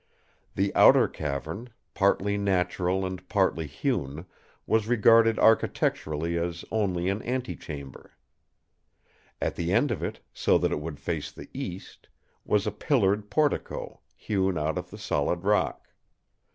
The outer cavern, partly natural and partly hewn, was regarded architecturally as only an ante chamber. At the end of it, so that it would face the east, was a pillared portico, hewn out of the solid rock.